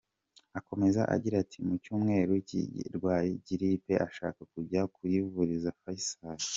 Akomeza agira ati” Mu cyumweru gishize yarwaye ‘giripe’ ashaka kujya kuyivuriza Fayisali.